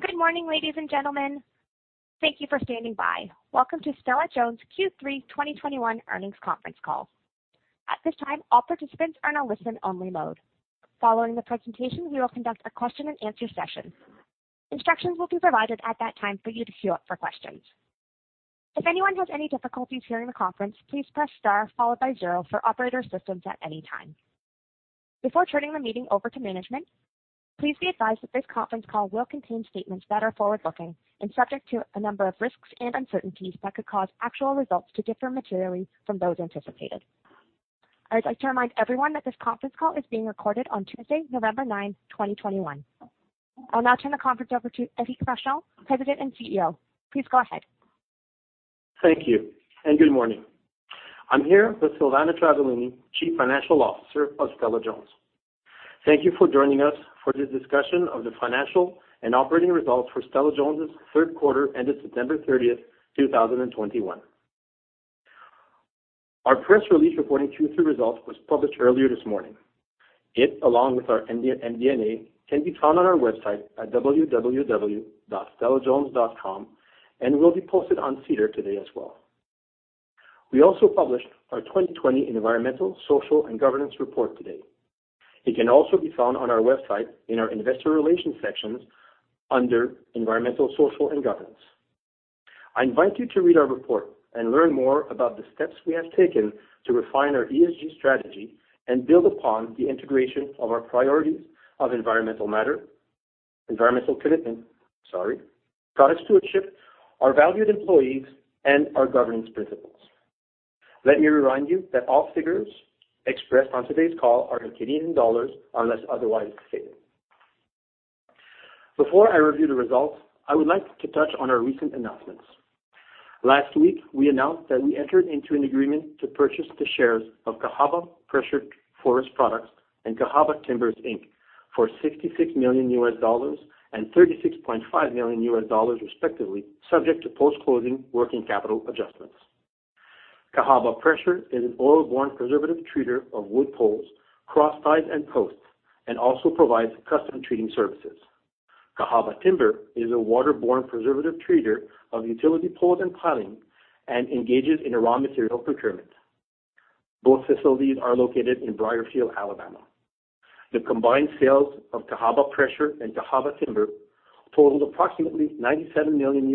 Good morning, ladies and gentlemen. Thank you for standing by. Welcome to Stella-Jones' Q3 2021 earnings conference call. At this time, all participants are in a listen-only mode. Following the presentation, we will conduct a Q&A session. Instructions will be provided at that time for you to queue up for questions. If anyone has any difficulties hearing the conference, please press star followed by zero for operator assistance at any time. Before turning the meeting over to management, please be advised that this conference call will contain statements that are forward-looking and subject to a number of risks and uncertainties that could cause actual results to differ materially from those anticipated. I'd like to remind everyone that this conference call is being recorded on Tuesday, November 9, 2021. I'll now turn the conference over to Éric Vachon, President and Chief Executive Officer. Please go ahead. Thank you and good morning. I'm here with Silvana Travaglini, Chief Financial Officer of Stella-Jones. Thank you for joining us for this discussion of the financial and operating results for Stella-Jones' Q3 ended September 30, 2021. Our press release reporting Q3 results was published earlier this morning. It, along with our MD&A, can be found on our website at www.stellajones.com and will be posted on SEDAR today as well. We also published our 2020 environmental, social, and governance report today. It can also be found on our website in our investor relations sections under environmental, social, and governance. I invite you to read our report and learn more about the steps we have taken to refine our ESG strategy and build upon the integration of our priorities of environmental commitment, sorry, product stewardship, our valued employees, and our governance principles. Let me remind you that all figures expressed on today's call are in Canadian dollars unless otherwise stated. Before I review the results, I would like to touch on our recent announcements. Last week, we announced that we entered into an agreement to purchase the shares of Cahaba Pressure Treated Forest Products and Cahaba Timber, Inc. for $66 million and $36.5 million, respectively, subject to post-closing working capital adjustments. Cahaba Pressure is an oil-borne preservative treater of wood poles, crossties, and posts, and also provides custom treating services. Cahaba Timber is a water-borne preservative treater of utility poles and pilings and engages in a raw material procurement. Both facilities are located in Brewton, Alabama. The combined sales of Cahaba Pressure and Cahaba Timber totaled approximately $97 million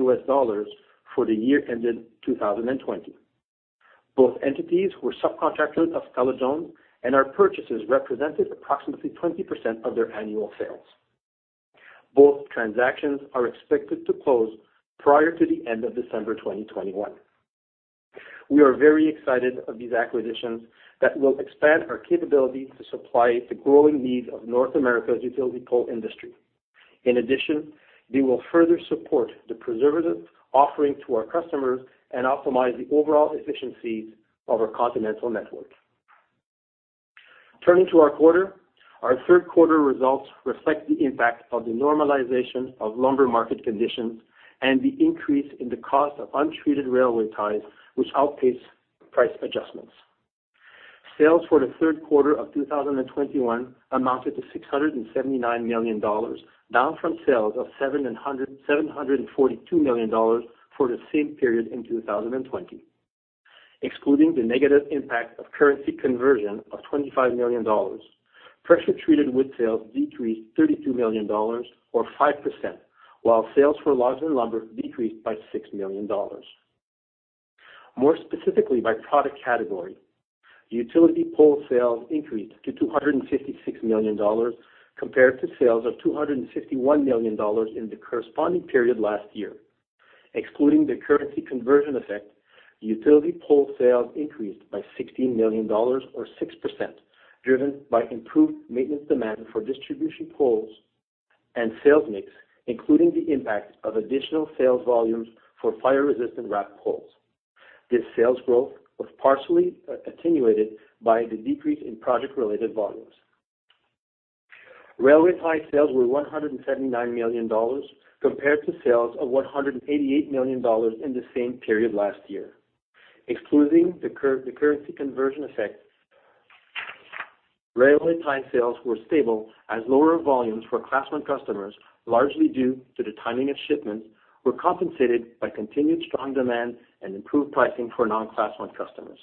for the year ended 2020. Both entities were subcontractors of Stella-Jones, and our purchases represented approximately 20% of their annual sales. Both transactions are expected to close prior to the end of December 2021. We are very excited about these acquisitions that will expand our capability to supply the growing needs of North America's utility pole industry. In addition, they will further support the preservative offering to our customers and optimize the overall efficiencies of our continental network. Turning to our quarter, our Q3 results reflect the impact of the normalization of lumber market conditions and the increase in the cost of untreated railway ties, which outpaced price adjustments. Sales for the Q3 of 2021 amounted to 679 million dollars, down from sales of 742 million dollars for the same period in 2020. Excluding the negative impact of currency conversion of 25 million dollars, pressure treated wood sales decreased 32 million dollars or 5%, while sales for logs and lumber decreased by 6 million dollars. More specifically by product category, utility pole sales increased to 256 million dollars compared to sales of 251 million dollars in the corresponding period last year. Excluding the currency conversion effect, utility pole sales increased by 16 million dollars or 6%, driven by improved maintenance demand for distribution poles and sales mix, including the impact of additional sales volumes for fire-resistant wrapped poles. This sales growth was partially attenuated by the decrease in project-related volumes. Railway tie sales were 179 million dollars compared to sales of 188 million dollars in the same period last year. Excluding the currency conversion effect, railway tie sales were stable as lower volumes for Class I customers, largely due to the timing of shipments, were compensated by continued strong demand and improved pricing for non-Class I customers.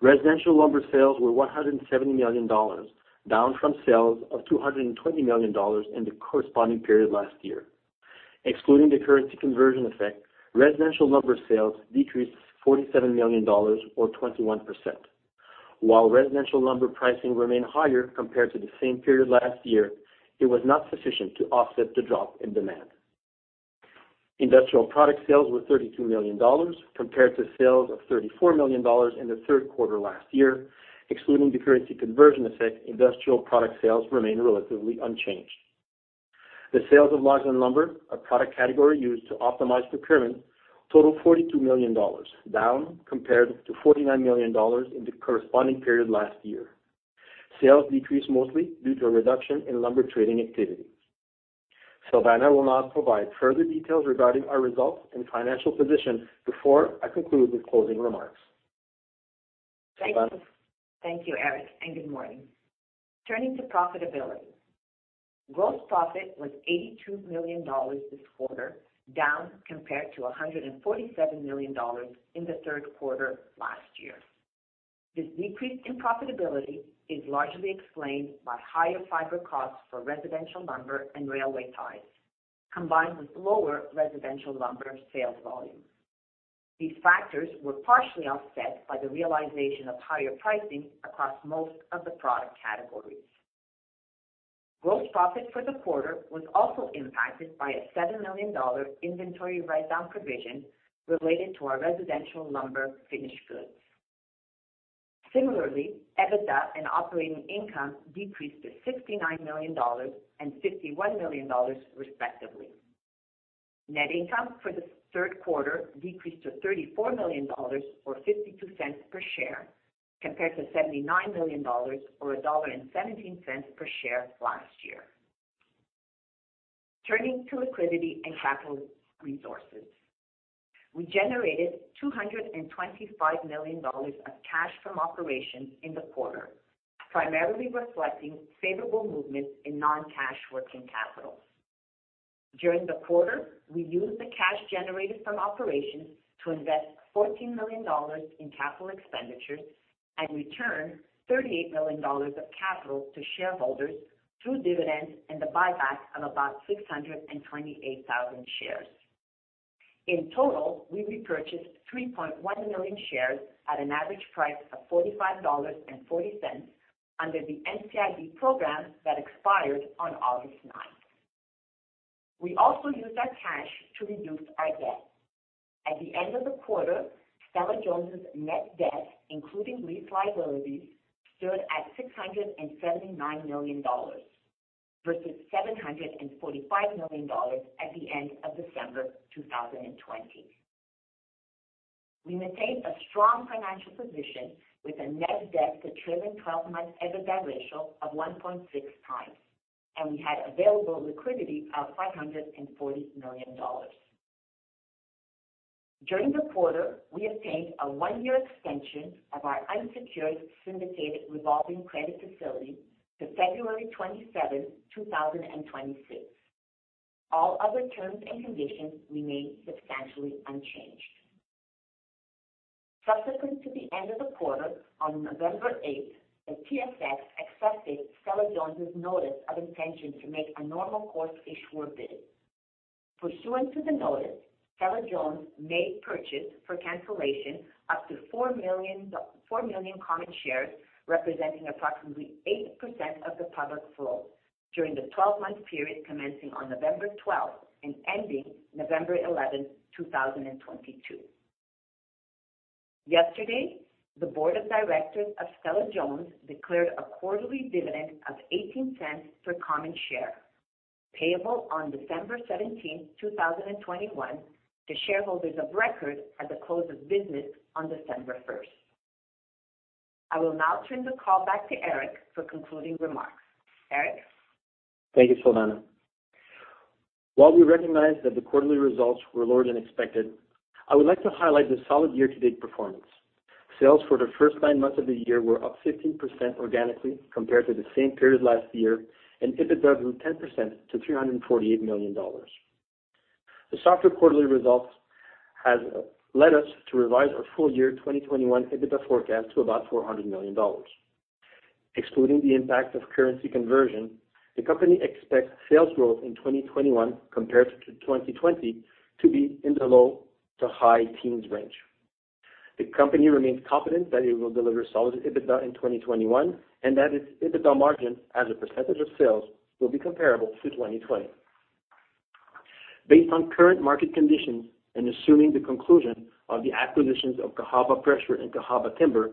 Residential lumber sales were 170 million dollars, down from sales of 220 million dollars in the corresponding period last year. Excluding the currency conversion effect, residential lumber sales decreased 47 million dollars or 21%. While residential lumber pricing remained higher compared to the same period last year, it was not sufficient to offset the drop in demand. Industrial product sales were 32 million dollars compared to sales of 34 million dollars in the Q3 last year. Excluding the currency conversion effect, industrial product sales remained relatively unchanged. The sales of logs and lumber, a product category used to optimize procurement, totaled 42 million dollars, down compared to 49 million dollars in the corresponding period last year. Sales decreased mostly due to a reduction in lumber trading activity. Silvana will now provide further details regarding our results and financial position before I conclude with closing remarks. Silvana? Thank you, Éric, and good morning. Turning to profitability. Gross profit was 82 million dollars this quarter, down compared to 147 million dollars in the Q3 last year. This decrease in profitability is largely explained by higher fiber costs for residential lumber and railway ties, combined with lower residential lumber sales volume. These factors were partially offset by the realization of higher pricing across most of the product categories. Gross profit for the quarter was also impacted by a 7 million dollar inventory write-down provision related to our residential lumber finished goods. Similarly, EBITDA and operating income decreased to 69 million dollars and 51 million dollars, respectively. Net income for the Q3 decreased to 34 million dollars or 0.52 per share, compared to 79 million dollars or 1.17 dollar per share last year. Turning to liquidity and capital resources. We generated 225 million dollars of cash from operations in the quarter, primarily reflecting favorable movements in non-cash working capital. During the quarter, we used the cash generated from operations to invest 14 million dollars in capital expenditures and return 38 million dollars of capital to shareholders through dividends and the buyback of about 628,000 shares. In total, we repurchased 3.1 million shares at an average price of 45.40 dollars under the NCIB program that expired on August 9th. We also used our cash to reduce our debt. At the end of the quarter, Stella-Jones' net debt, including lease liabilities, stood at 679 million dollars versus 745 million dollars at the end of December 2020. We maintain a strong financial position with a net debt to trailing twelve-month EBITDA ratio of 1.6 times, and we had available liquidity of 540 million dollars. During the quarter, we obtained a one-year extension of our unsecured syndicated revolving credit facility to February 27, 2026. All other terms and conditions remain substantially unchanged. Subsequent to the end of the quarter on November 8, the TSX accepted Stella-Jones' notice of intention to make a normal course issuer bid. Pursuant to the notice, Stella-Jones may purchase for cancellation up to 4 million common shares, representing approximately 8% of the public float during the 12-month period commencing on November 12 and ending November 11, 2022. Yesterday, the board of directors of Stella-Jones declared a quarterly dividend of 0.18 per common share, payable on December 17, 2021 to shareholders of record at the close of business on December 1st. I will now turn the call back to Éric for concluding remarks. Éric? Thank you, Silvana. While we recognize that the quarterly results were lower than expected, I would like to highlight the solid year-to-date performance. Sales for the first nine months of the year were up 15% organically compared to the same period last year, and EBITDA grew 10% to 348 million dollars. The softer quarterly results has led us to revise our full-year 2021 EBITDA forecast to about 400 million dollars. Excluding the impact of currency conversion, the company expects sales growth in 2021 compared to 2020 to be in the low- to high-teens range. The company remains confident that it will deliver solid EBITDA in 2021 and that its EBITDA margin as a percentage of sales will be comparable to 2020. Based on current market conditions and assuming the conclusion of the acquisitions of Cahaba Pressure and Cahaba Timber,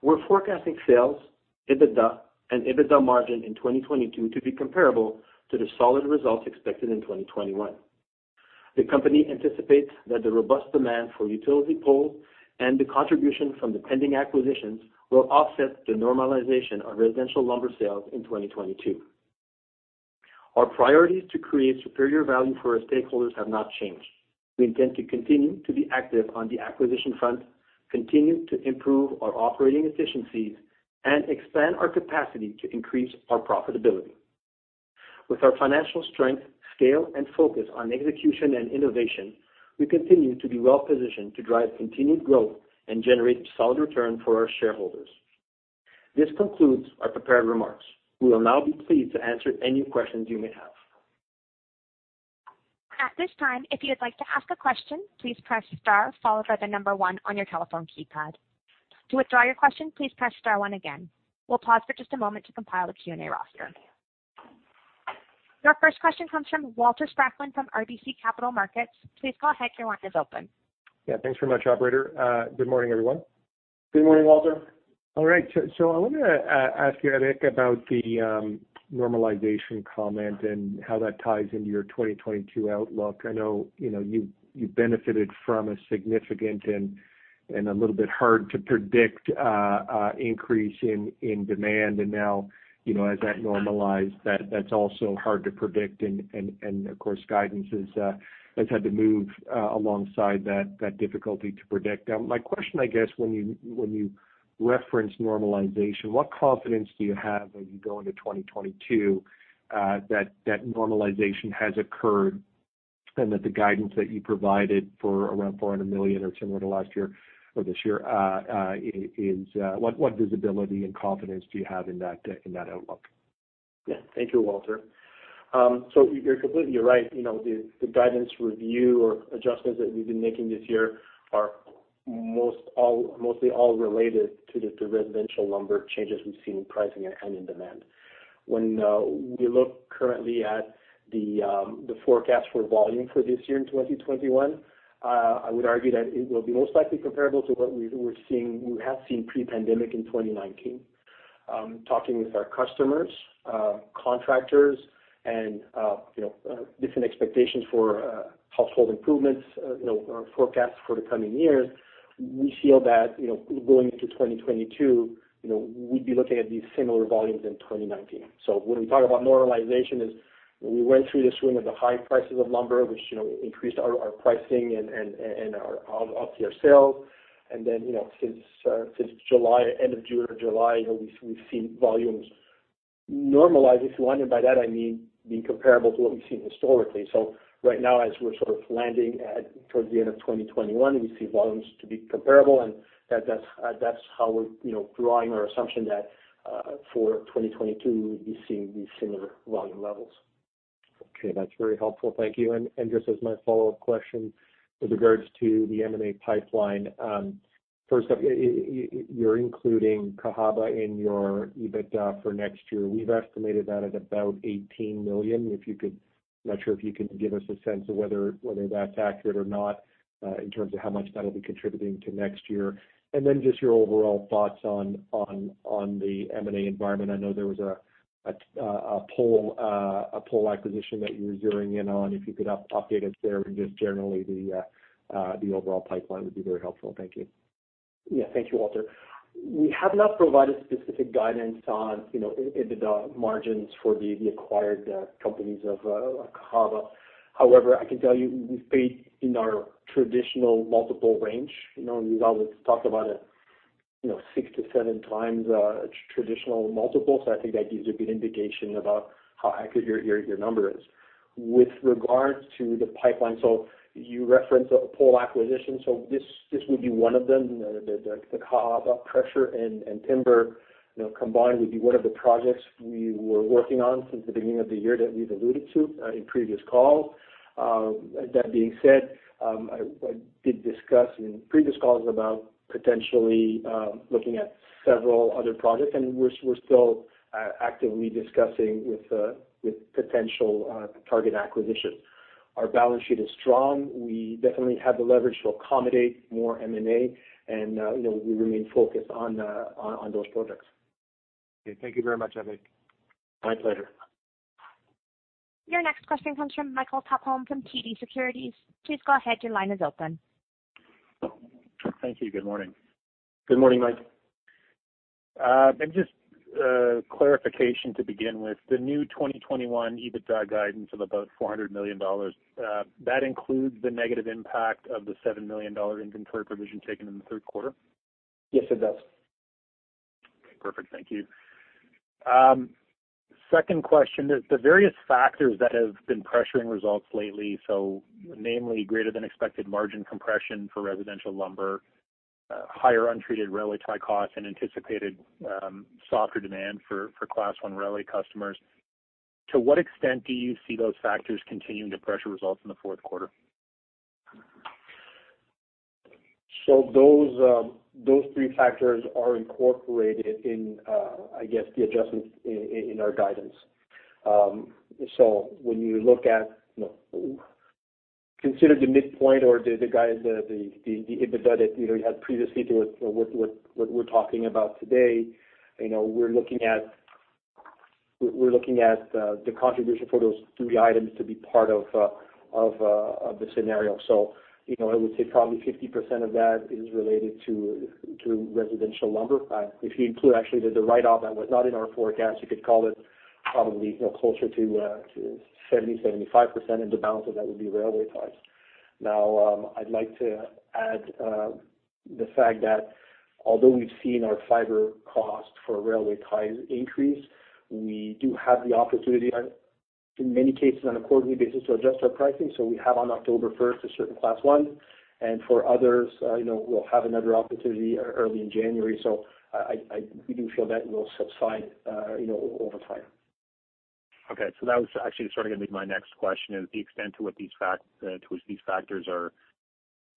we're forecasting sales, EBITDA, and EBITDA margin in 2022 to be comparable to the solid results expected in 2021. The company anticipates that the robust demand for utility poles and the contribution from the pending acquisitions will offset the normalization of residential lumber sales in 2022. Our priorities to create superior value for our stakeholders have not changed. We intend to continue to be active on the acquisition front, continue to improve our operating efficiencies, and expand our capacity to increase our profitability. With our financial strength, scale, and focus on execution and innovation, we continue to be well positioned to drive continued growth and generate solid return for our shareholders. This concludes our prepared remarks. We will now be pleased to answer any questions you may have. At this time, if you'd like to ask a question, please press star followed by the number one on your telephone keypad. To withdraw your question, please press star one again. We'll pause for just a moment to compile the Q&A roster. Your first question comes from Walter Spracklin from RBC Capital Markets. Please go ahead. Your line is open. Yeah. Thanks very much, operator. Good morning, everyone. Good morning, Walter. All right. I want to ask you, Éric, about the normalization comment and how that ties into your 2022 outlook. I know, you know, you benefited from a significant and a little bit hard to predict increase in demand. Now, you know, as that normalized, that's also hard to predict and of course, guidance has had to move alongside that difficulty to predict. My question, I guess, when you reference normalization, what confidence do you have as you go into 2022 that normalization has occurred and that the guidance that you provided for around 400 million or similar to last year or this year is what visibility and confidence do you have in that outlook? Yeah. Thank you, Walter. You're completely right. You know, the guidance review or adjustments that we've been making this year are mostly all related to the residential lumber changes we've seen in pricing and in demand. When we look currently at the forecast for volume for this year in 2021, I would argue that it will be most likely comparable to what we have seen pre-pandemic in 2019. Talking with our customers, contractors and you know, different expectations for household improvements, you know, our forecasts for the coming years, we feel that, you know, going into 2022, you know, we'd be looking at these similar volumes in 2019. When we talk about normalization, we went through the swing of the high prices of lumber, which, you know, increased our pricing and our sales. Then, you know, since July, end of June or July, you know, we've seen volumes normalize, if you want, and by that I mean, being comparable to what we've seen historically. Right now, as we're sort of landing at towards the end of 2021, we see volumes to be comparable, and that's how we're, you know, drawing our assumption that for 2022, we'd be seeing these similar volume levels. Okay. That's very helpful. Thank you. Just as my follow-up question with regards to the M&A pipeline, first up, you're including Cahaba in your EBITDA for next year. We've estimated that at about 18 million. Not sure if you could give us a sense of whether that's accurate or not, in terms of how much that'll be contributing to next year. Then just your overall thoughts on the M&A environment. I know there was a pole acquisition that you're zeroing in on. If you could update us there and just generally the overall pipeline would be very helpful. Thank you. Yeah. Thank you, Walter. We have not provided specific guidance on, you know, EBITDA margins for the acquired companies of Cahaba. However, I can tell you we've paid in our traditional multiple range. You know, we've always talked about it, you know, 6x-7x traditional multiples. I think that gives you a good indication about how accurate your number is. With regards to the pipeline, you referenced a pole acquisition, so this would be one of them. The Cahaba Pressure and Timber, you know, combined would be one of the projects we were working on since the beginning of the year that we've alluded to in previous calls. That being said, I did discuss in previous calls about potentially looking at several other projects, and we're still actively discussing with potential target acquisitions. Our balance sheet is strong. We definitely have the leverage to accommodate more M&A, and you know, we remain focused on those projects. Okay. Thank you very much, Éric. My pleasure. Your next question comes from Michael Tupholme from TD Securities. Please go ahead. Your line is open. Thank you. Good morning. Good morning, Mike. Just clarification to begin with, the new 2021 EBITDA guidance of about 400 million dollars that includes the negative impact of the 7 million dollar inventory provision taken in the Q3? Yes, it does. Okay. Perfect. Thank you. Second question is the various factors that have been pressuring results lately, so namely greater than expected margin compression for residential lumber, higher untreated railway tie costs and anticipated, softer demand for Class I railway customers, to what extent do you see those factors continuing to pressure results in the Q4? Those three factors are incorporated in, I guess, the adjustments in our guidance. When you look at, you know, consider the midpoint or the guide, the EBITDA that, you know, you had previously to what we're talking about today, you know, we're looking at the contribution for those three items to be part of the scenario. You know, I would say probably 50% of that is related to residential lumber. In fact, if you include actually the write-off that was not in our forecast, you could call it probably, you know, closer to 70%-75% and the balance of that would be railway ties. Now, I'd like to add the fact that although we've seen our fiber cost for railway ties increase, we do have the opportunity in many cases on a quarterly basis to adjust our pricing. We have on October first a certain Class I, and for others, you know, we'll have another opportunity early in January. We do feel that will subside, you know, over time. That was actually sort of gonna be my next question, is the extent to which these factors are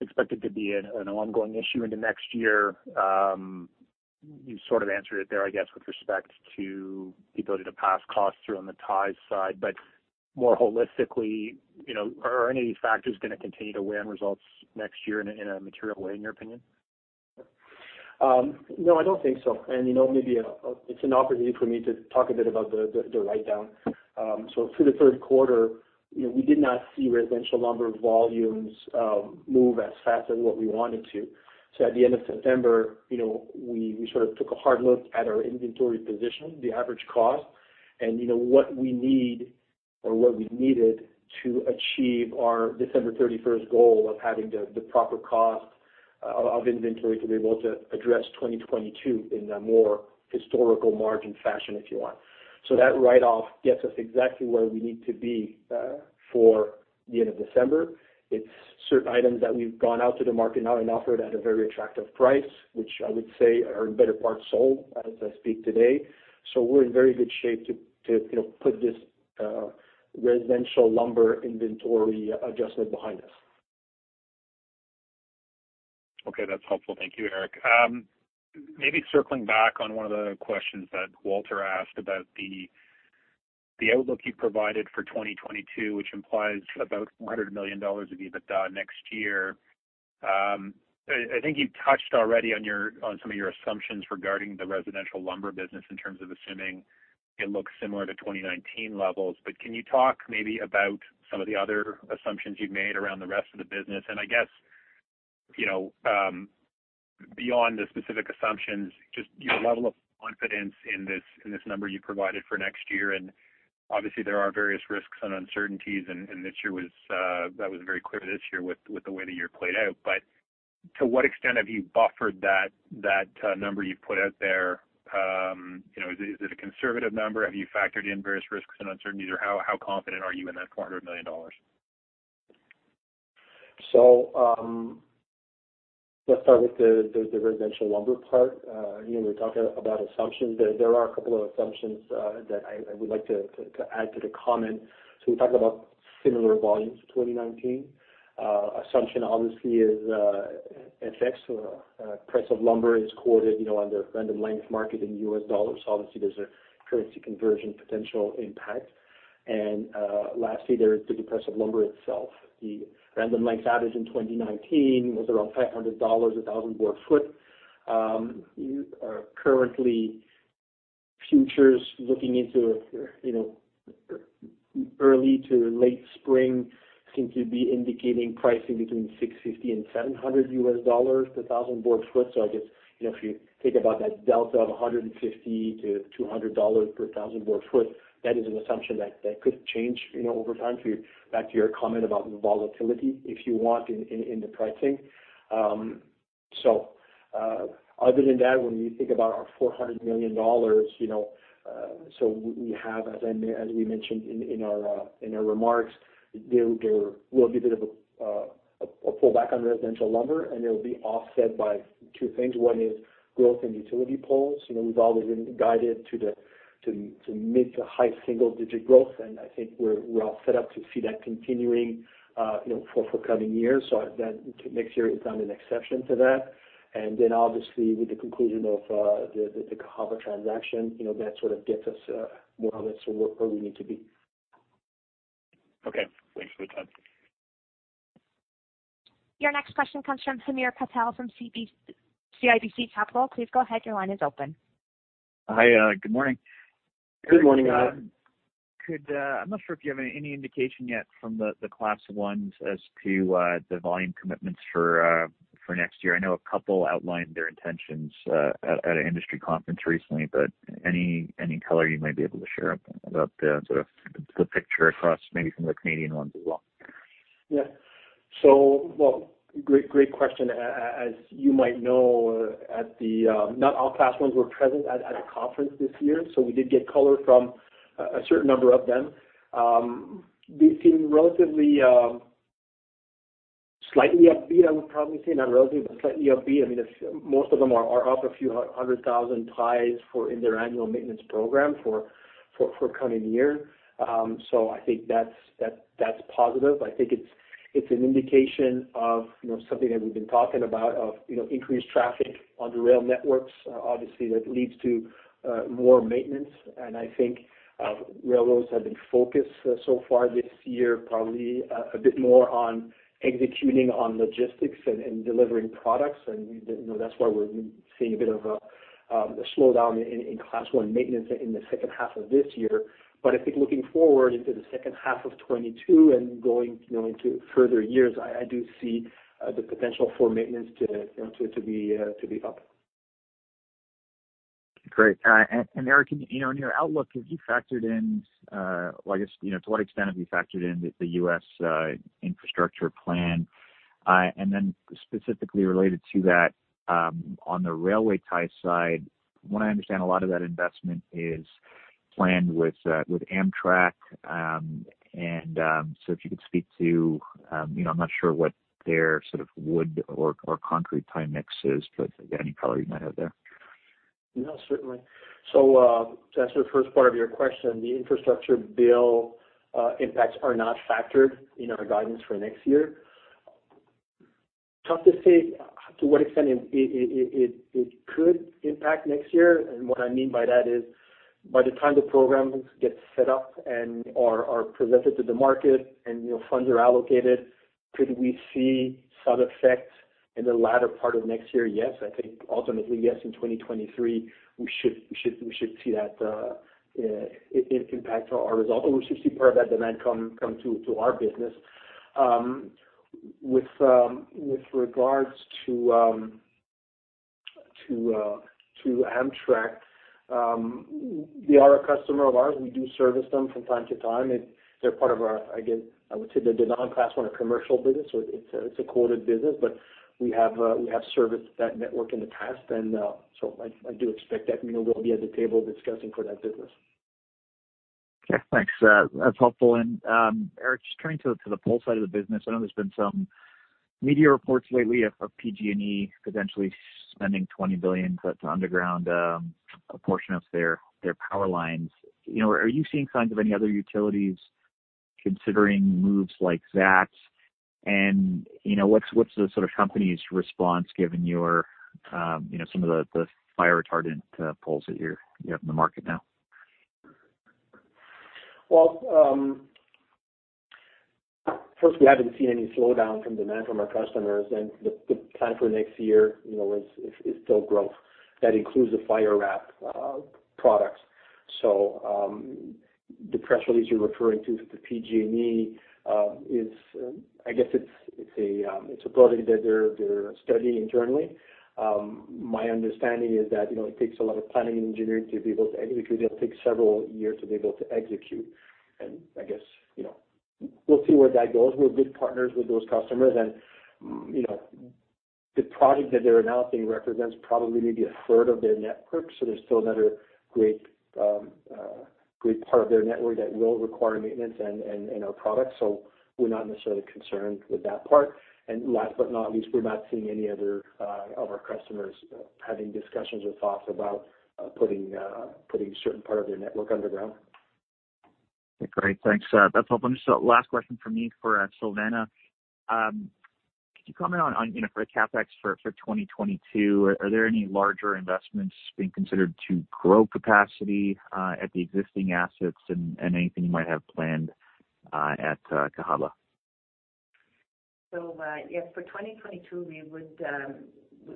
expected to be an ongoing issue into next year. You sort of answered it there, I guess, with respect to the ability to pass costs through on the ties side. More holistically, you know, are any factors gonna continue to weigh on results next year in a material way in your opinion? No, I don't think so. You know, maybe it's an opportunity for me to talk a bit about the write down. Through the Q3, you know, we did not see residential lumber volumes move as fast as what we wanted to. At the end of September, you know, we sort of took a hard look at our inventory position, the average cost, and, you know, what we need or what we needed to achieve our December 31st, goal of having the proper cost of inventory to be able to address 2022 in a more historical margin fashion, if you want. That write off gets us exactly where we need to be for the end of December. It's certain items that we've gone out to the market now and offered at a very attractive price, which I would say are in better part sold as I speak today. We're in very good shape to you know put this residential lumber inventory adjustment behind us. Okay. That's helpful. Thank you, Éric. Maybe circling back on one of the questions that Walter asked about the outlook you provided for 2022, which implies about 400 million dollars of EBITDA next year. I think you touched already on some of your assumptions regarding the residential lumber business in terms of assuming it looks similar to 2019 levels. Can you talk maybe about some of the other assumptions you've made around the rest of the business? I guess, you know, beyond the specific assumptions, just your level of confidence in this number you provided for next year. Obviously, there are various risks and uncertainties, and this year was very clear this year with the way the year played out. To what extent have you buffered that number you've put out there? You know, is it a conservative number? Have you factored in various risks and uncertainties, or how confident are you in that CAD 400 million? Let's start with the residential lumber part. You know, we're talking about assumptions. There are a couple of assumptions that I would like to add to the comment. We talk about similar volumes to 2019. Assumption obviously is FX or price of lumber is quoted, you know, under Random Lengths market in U.S. dollars. Obviously, there's a currency conversion potential impact. Lastly, there is the price of lumber itself. The Random Lengths average in 2019 was around $500 per 1,000 board feet. Currently, futures looking into, you know, early to late spring seem to be indicating pricing between $650 and $700 per 1,000 board feet. I guess, you know, if you think about that delta of $150-$200 per 1,000 board foot, that is an assumption that could change, you know, over time to back to your comment about the volatility, if you want, in the pricing. Other than that, when you think about our 400 million dollars, you know, so we have as we mentioned in our remarks, there will be a bit of a pullback on residential lumber, and it'll be offset by two things. One is growth in utility poles. You know, we've always been guided to mid- to high-single-digit growth, and I think we're all set up to see that continuing, you know, for coming years. That next year is not an exception to that. Then obviously, with the conclusion of the Cahaba transaction, you know, that sort of gets us more or less to where we need to be. Okay. Thanks for the time. Your next question comes from Hamir Patel from CIBC Capital. Please go ahead. Your line is open. Hi. Good morning. Good morning. I'm not sure if you have any indication yet from the Class I's as to the volume commitments for next year. I know a couple outlined their intentions at an industry conference recently, but any color you might be able to share about the sort of the picture across maybe from the Canadian ones as well? Well, great question. As you might know, not all Class I were present at the conference this year, so we did get color from a certain number of them. They seem relatively slightly upbeat, I would probably say. Not relatively, but slightly upbeat. I mean, if most of them are up a few hundred thousand ties in their annual maintenance program for the coming year. I think that's positive. I think it's an indication of, you know, something that we've been talking about of, you know, increased traffic on the rail networks. Obviously, that leads to more maintenance. Railroads have been focused so far this year, probably a bit more on executing on logistics and delivering products. You know, that's why we're seeing a bit of a slowdown in Class I maintenance in the second half of this year. I think looking forward into the second half of 2022 and going, you know, into further years, I do see the potential for maintenance to, you know, be up. Great. Éric, you know, in your outlook, have you factored in, well, I guess, you know, to what extent have you factored in the U.S. infrastructure plan? Specifically related to that, on the railway tie side, what I understand a lot of that investment is planned with Amtrak. If you could speak to, you know, I'm not sure what their sort of wood or concrete tie mix is, but any color you might have there. No, certainly. To answer the first part of your question, the infrastructure bill impacts are not factored in our guidance for next year. Tough to say to what extent it could impact next year. What I mean by that is by the time the programs get set up and are presented to the market and, you know, funds are allocated, could we see some effect in the latter part of next year? Yes. I think ultimately, yes, in 2023, we should see that impact our result, or we should see part of that demand come to our business. With regards to Amtrak, they are a customer of ours. We do service them from time to time, and they're part of our. I guess I would say they're the non-Class I commercial business, so it's a quoted business. But we have serviced that network in the past. So I do expect that, you know, we'll be at the table discussing for that business. Okay, thanks. That's helpful. Éric, just turning to the pole side of the business. I know there's been some media reports lately of PG&E potentially spending $20 billion to underground a portion of their power lines. You know, are you seeing signs of any other utilities considering moves like that? You know, what's the sort of company's response given your, you know, some of the fire retardant poles you have in the market now? First, we haven't seen any slowdown from demand from our customers. The plan for next year, you know, is still growth. That includes the fire wrap products. The press release you're referring to for PG&E is, I guess it's a project that they're studying internally. My understanding is that, you know, it takes a lot of planning and engineering, and it could even take several years to execute. I guess, you know, we'll see where that goes. We're good partners with those customers and, you know, the project that they're announcing represents probably maybe a third of their network. There's still another great part of their network that will require maintenance and our products. We're not necessarily concerned with that part. Last but not least, we're not seeing any other of our customers having discussions or thoughts about putting a certain part of their network underground. Okay, great. Thanks. That's helpful. Just last question from me for Silvana. Could you comment on, you know, for the CapEx for 2022, are there any larger investments being considered to grow capacity at the existing assets and anything you might have planned at Cahaba? Yes, for 2022,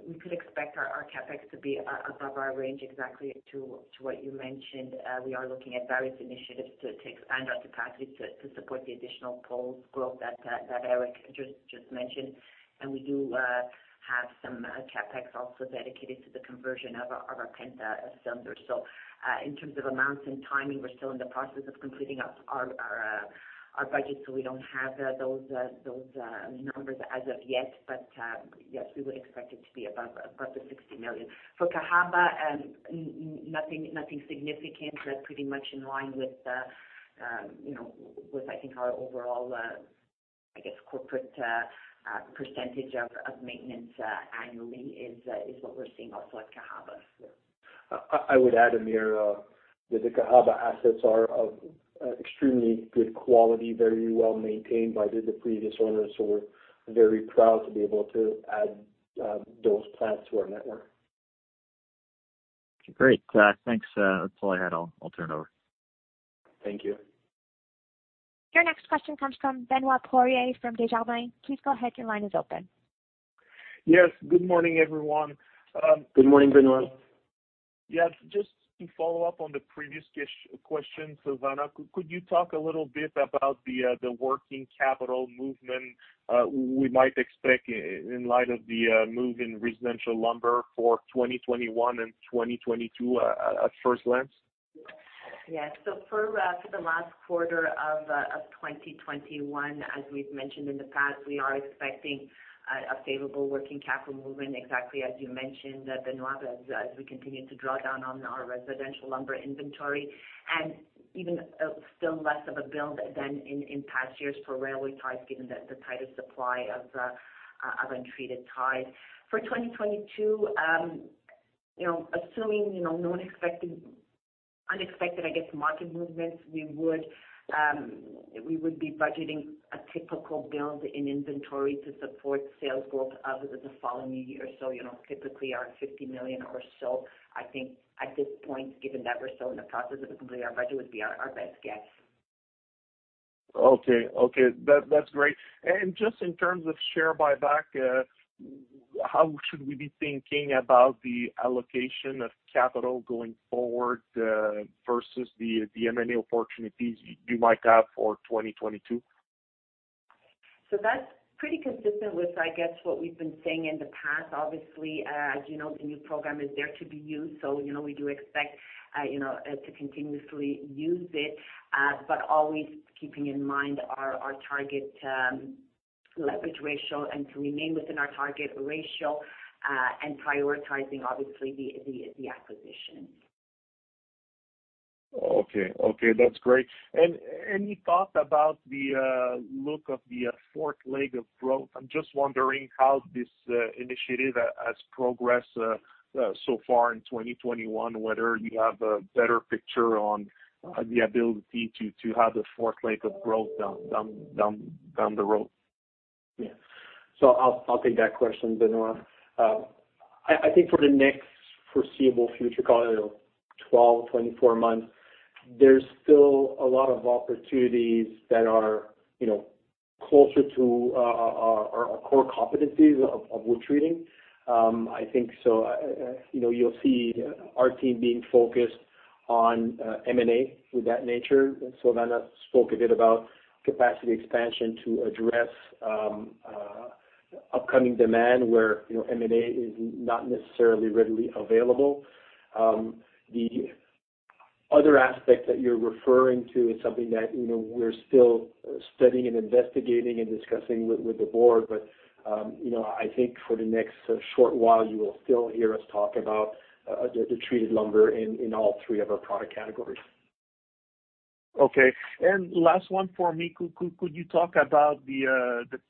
we could expect our CapEx to be above our range exactly to what you mentioned. We are looking at various initiatives to expand our capacity to support the additional poles growth that Éric just mentioned. We do have some CapEx also dedicated to the conversion of our Penta cylinders. In terms of amounts and timing, we're still in the process of completing our budget, so we don't have those numbers as of yet. Yes, we would expect it to be above 60 million. For Cahaba, nothing significant. Pretty much in line with, you know, with, I think, our overall, I guess, corporate percentage of maintenance annually is what we're seeing also at Cahaba. I would add, Hamir, that the Cahaba assets are of extremely good quality, very well maintained by the previous owners, so we're very proud to be able to add those plants to our network. Great. Thanks. That's all I had. I'll turn it over. Thank you. Your next question comes from Benoit Poirier from Desjardins. Please go ahead. Your line is open. Yes. Good morning, everyone. Good morning, Benoit. Yes. Just to follow up on the previous question, Silvana, could you talk a little bit about the working capital movement we might expect in light of the move in residential lumber for 2021 and 2022 at first glance? For the last quarter of 2021, as we've mentioned in the past, we are expecting a favorable working capital movement, exactly as you mentioned, Benoit, as we continue to draw down on our residential lumber inventory, and even still less of a build than in past years for railway ties, given the tighter supply of untreated ties. For 2022, you know, assuming, you know, no unexpected, I guess, market movements, we would be budgeting a typical build in inventory to support sales growth of the following year. You know, typically our 50 million or so, I think at this point, given that we're still in the process of completing our budget, would be our best guess. Okay. That's great. Just in terms of share buyback, how should we be thinking about the allocation of capital going forward versus the M&A opportunities you might have for 2022? That's pretty consistent with, I guess, what we've been saying in the past. Obviously, as you know, the new program is there to be used. You know, we do expect to continuously use it, but always keeping in mind our target leverage ratio and to remain within our target ratio, and prioritizing obviously the acquisition. Okay. That's great. Any thought about the look of the fourth leg of growth? I'm just wondering how this initiative has progressed so far in 2021, whether you have a better picture on the ability to have the fourth leg of growth down the road. Yeah. I'll take that question, Benoit. I think for the next foreseeable future, call it 12, 24 months, there's still a lot of opportunities that are, you know, closer to our core competencies of wood treating. I think so, you know, you'll see our team being focused on M&A with that nature. Silvana spoke a bit about capacity expansion to address upcoming demand where, you know, M&A is not necessarily readily available. The other aspect that you're referring to is something that, you know, we're still studying and investigating and discussing with the board. I think for the next short while, you will still hear us talk about the treated lumber in all three of our product categories. Okay. Last one for me. Could you talk about the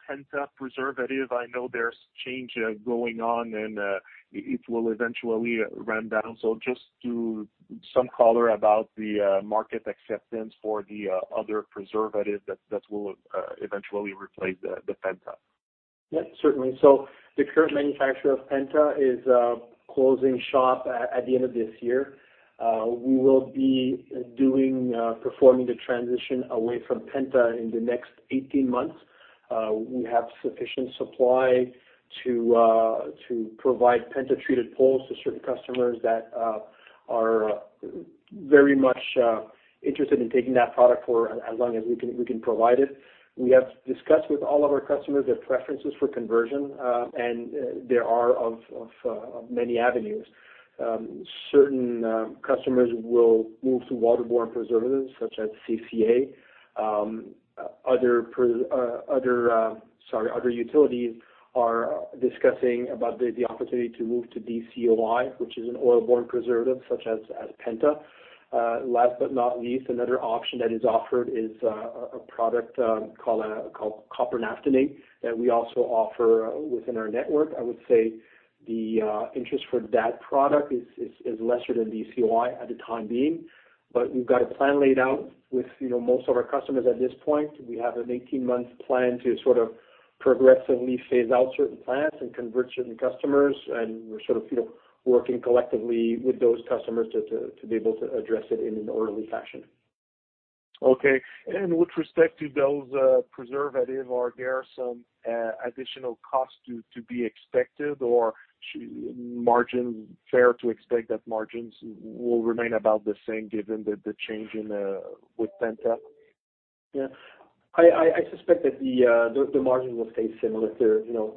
penta preservative? I know there's change going on, and it will eventually run down. Just some color about the market acceptance for the other preservative that will eventually replace the penta. The current manufacturer of penta is closing shop at the end of this year. We will be performing the transition away from penta in the next 18 months. We have sufficient supply to provide penta-treated poles to certain customers that are very much interested in taking that product for as long as we can provide it. We have discussed with all of our customers their preferences for conversion, and there are many avenues. Certain customers will move to waterborne preservatives such as CCA. Other utilities are discussing about the opportunity to move to DCOI, which is an oil-borne preservative such as penta. Last but not least, another option that is offered is a product called copper naphthenate that we also offer within our network. I would say the interest for that product is lesser than DCOI at the time being. We've got a plan laid out with, you know, most of our customers at this point. We have an 18-month plan to sort of progressively phase out certain plants and convert certain customers, and we're sort of, you know, working collectively with those customers to be able to address it in an orderly fashion. With respect to those preservatives, are there some additional costs to be expected or is it fair to expect that margins will remain about the same given the change with penta? Yeah. I suspect that the margin will stay similar there. You know,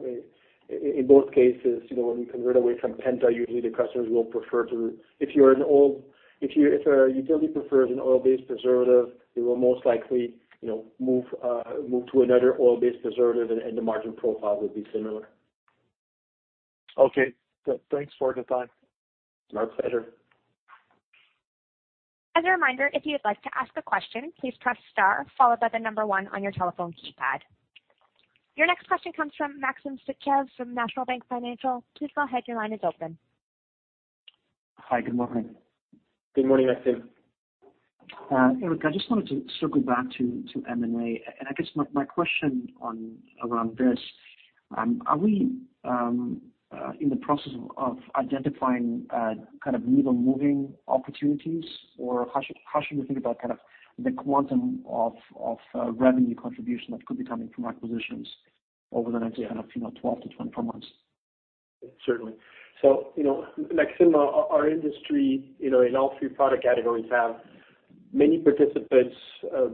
in both cases, you know, when we convert away from penta, usually the customers will prefer to. If a utility prefers an oil-based preservative, they will most likely, you know, move to another oil-based preservative, and the margin profile will be similar. Okay. Thanks for your time. My pleasure. As a reminder, if you'd like to ask a question, please press star followed by 1 on your telephone keypad. Your next question comes from Maxim Sytchev from National Bank Financial. Please go ahead. Your line is open. Hi. Good morning. Good morning, Maxim. Éric, I just wanted to circle back to M&A. I guess my question around this, are we in the process of identifying kind of needle-moving opportunities? Or how should we think about kind of the quantum of revenue contribution that could be coming from acquisitions over the next, you know, 12-24 months? Certainly. You know, Maxim, our industry, you know, in all three product categories have many participants,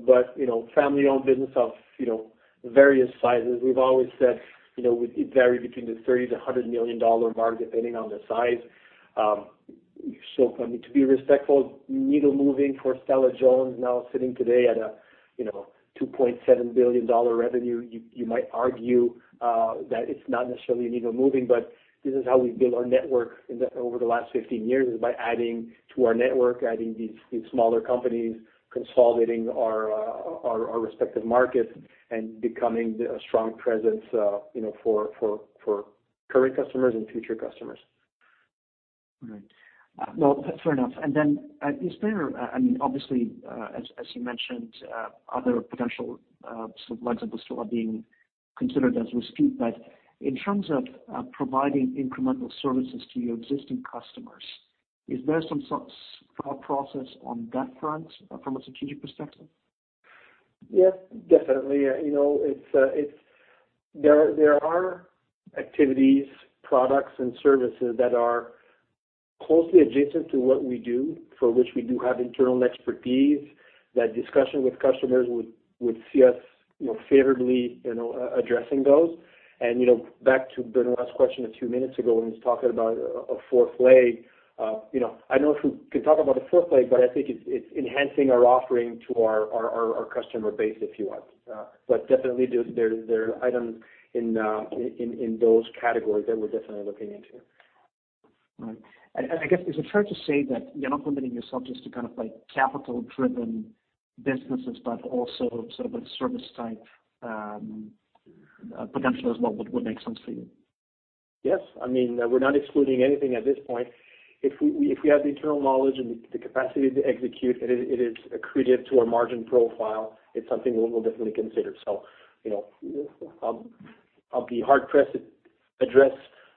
but you know, family-owned business of, you know, various sizes. We've always said, you know, it vary between the 30 million-100 million dollar mark, depending on the size. For me to be respectful, needle moving for Stella-Jones now sitting today at a, you know, 2.7 billion dollar revenue, you might argue that it's not necessarily needle moving, but this is how we build our network over the last 15 years is by adding to our network, adding these smaller companies, consolidating our respective markets and becoming a strong presence, you know, for current customers and future customers. All right. Well, fair enough. Is there, I mean, obviously, as you mentioned, other potential, sort of legs of the story are being considered as we speak. In terms of providing incremental services to your existing customers, is there some sort of thought process on that front from a strategic perspective? Yes, definitely. You know, there are activities, products and services that are closely adjacent to what we do, for which we do have internal expertise. That discussion with customers would see us, you know, favorably, you know, addressing those. You know, back to Benoit's question a few minutes ago when he's talking about a fourth leg, you know, I don't know if we can talk about a fourth leg, but I think it's enhancing our offering to our customer base, if you like. But definitely there are items in those categories that we're definitely looking into. All right. I guess, is it fair to say that you're not limiting yourself just to kind of like capital-driven businesses, but also sort of a service type potential as well would make sense for you? Yes. I mean, we're not excluding anything at this point. If we have the internal knowledge and the capacity to execute it is accretive to our margin profile, it's something we'll definitely consider. You know, I'll be hard-pressed to address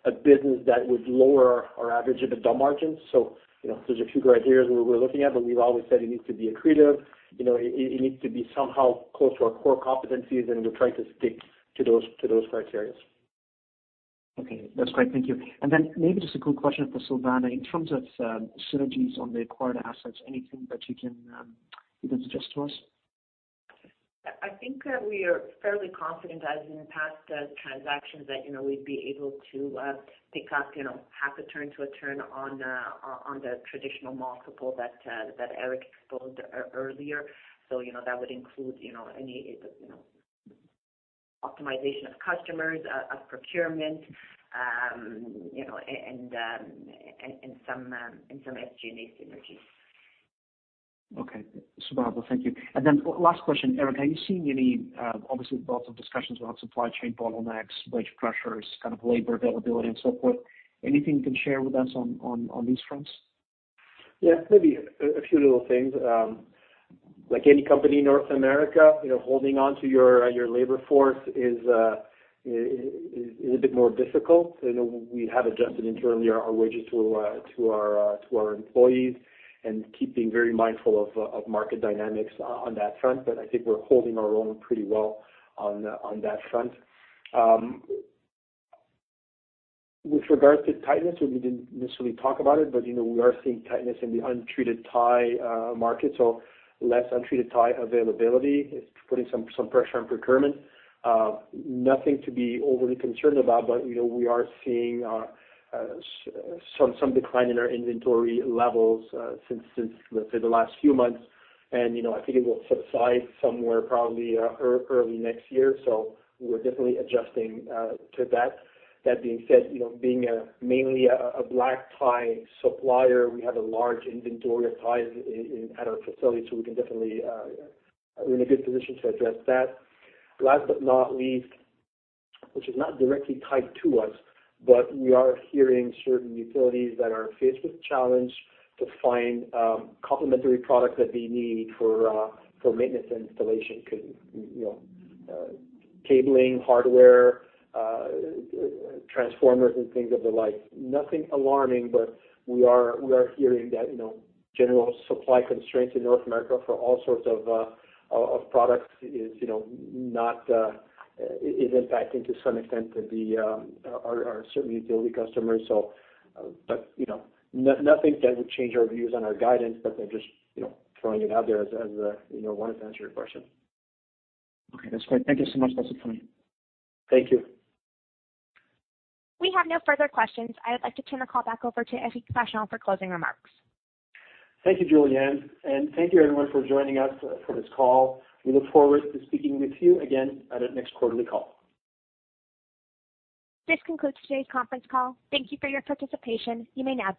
a business that would lower our average EBITDA margins. You know, there's a few criteria we're looking at, but we've always said it needs to be accretive. You know, it needs to be somehow close to our core competencies, and we try to stick to those criteria. Okay. That's great. Thank you. Maybe just a quick question for Silvana. In terms of synergies on the acquired assets, anything that you can suggest to us? I think we are fairly confident, as in past transactions that you know we'd be able to pick up you know half a turn to a turn on the traditional multiple that Éric exposed earlier. You know that would include you know any optimization of customers of procurement you know and some SG&A synergies. Okay. Superb. Thank you. Last question, Éric, have you seen any, obviously lots of discussions around supply chain bottlenecks, wage pressures, kind of labor availability and so forth? Anything you can share with us on these fronts? Yeah. Maybe a few little things. Like any company in North America, you know, holding on to your labor force is a bit more difficult. You know, we have adjusted internally our wages to our employees and keeping very mindful of market dynamics on that front. I think we're holding our own pretty well on that front. With regard to tightness, we didn't necessarily talk about it, but you know, we are seeing tightness in the untreated tie market. So less untreated tie availability. It's putting some pressure on procurement. Nothing to be overly concerned about, but you know, we are seeing some decline in our inventory levels since, let's say the last few months. You know, I think it will subside somewhere probably early next year. We're definitely adjusting to that. That being said, you know, being mainly a bulk tie supplier, we have a large inventory of ties at our facility, so we can definitely, we're in a good position to address that. Last but not least, which is not directly tied to us, but we are hearing certain utilities that are faced with a challenge to find complementary products that they need for maintenance and installation. You know, cabling, hardware, transformers and things of the like. Nothing alarming, but we are hearing that, you know, general supply constraints in North America for all sorts of products is, you know, impacting to some extent our utility customers. you know, nothing that would change our views on our guidance, but I'm just, you know, throwing it out there as I, you know, wanted to answer your question. Okay. That's great. Thank you so much. That's it for me. Thank you. We have no further questions. I would like to turn the call back over to Éric Vachon for closing remarks. Thank you, Julianne, and thank you everyone for joining us for this call. We look forward to speaking with you again at our next quarterly call. This concludes today's conference call. Thank you for your participation. You may now disconnect.